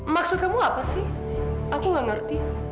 maksud kamu apa sih aku gak ngerti